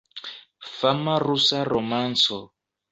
Fama rusa romanco.